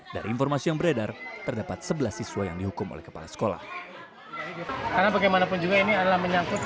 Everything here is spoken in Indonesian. dari informasi yang beredar terdapat sebelas siswa yang dihukum oleh kepala sekolah